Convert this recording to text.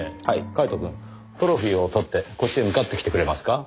カイトくんトロフィーを取ってこっちへ向かってきてくれますか？